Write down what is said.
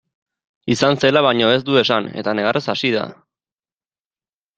Izan zela baino ez du esan eta negarrez hasi da.